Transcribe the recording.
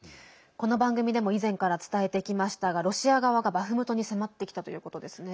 この番組でも以前から伝えてきましたがロシア側がバフムトに迫ってきたということですね。